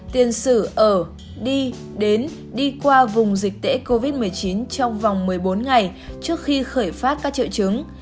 tiền sử ở đi đến đi qua vùng dịch tễ covid một mươi chín trong vòng một mươi bốn ngày trước khi khởi phát các triệu chứng